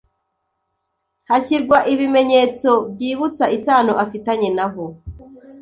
hashyirwa ibimenyetso byibutsa isano afitanye naho